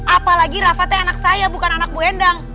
apalagi rafa teh anak saya bukan anak bu endang